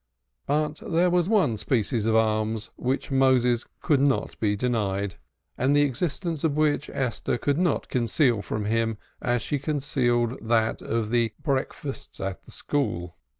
But there was one species of alms which Moses could not be denied, and the existence of which Esther could not conceal from him as she concealed that of the eleemosynary breakfasts at the school.